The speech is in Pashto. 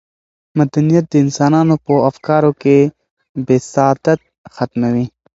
مدنیت د انسانانو په افکارو کې بساطت ختموي.